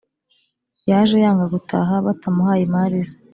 Yaje yanga gutaha batamuhaye imari ze